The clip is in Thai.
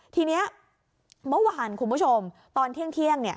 ทีนี้เมื่อวานคุณผู้ชมตอนเที่ยง